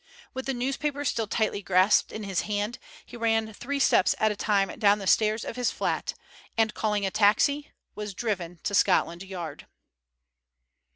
With the newspaper still tightly grasped in his hand, he ran three steps at a time down the stairs of his flat, and calling a taxi, was driven to Scotland Yard.